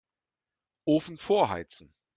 Ofen vorheizen.